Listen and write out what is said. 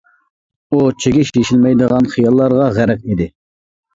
ئۇ چىگىش يېشىلمەيدىغان خىياللارغا غەرق ئىدى.